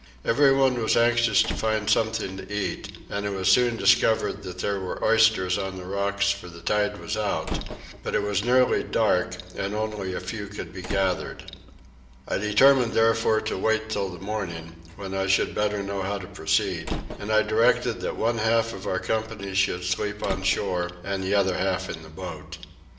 Everyone was anxious to find something to eat, and it was soon discovered that there were oysters on the rocks for the tide was out; but it was nearly dark and only a few could be gathered. I determined therefore to wait till the morning, when I should better know how to proceed, and I directed that one half of our company should sleep on shore and the other half in the boat.